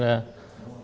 có sức khỏe